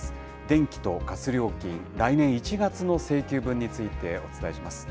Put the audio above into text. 電気とガス料金、来年１月の請求分についてお伝えします。